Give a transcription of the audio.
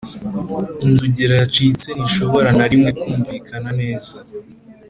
inzogera yacitse ntishobora na rimwe kumvikana neza.